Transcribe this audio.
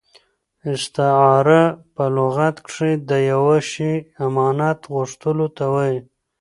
استعاره په لغت کښي د یوه شي امانت غوښتلو ته وايي.